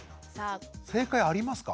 正解ありますか？